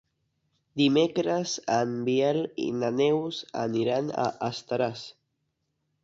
Dimecres en Biel i na Neus aniran a Estaràs.